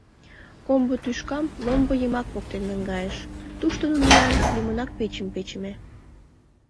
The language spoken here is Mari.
Комбо тӱшкам ломбо йымак поктен наҥгайыш: тушто нунылан лӱмынак печым печыме.